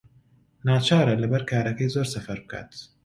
ناچارە لەبەر کارەکەی زۆر سەفەر بکات.